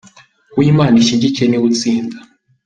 uwo Imana ishyigikiye niwe utsinda.